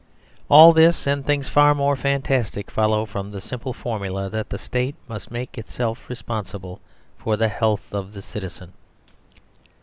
All this and things far more fantastic follow from the simple formula that the State must make itself responsible for the health of the citizen.